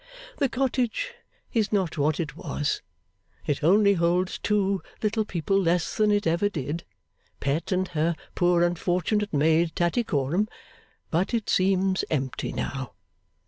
The cottage is not what it was. It only holds two little people less than it ever did, Pet, and her poor unfortunate maid Tattycoram; but it seems empty now.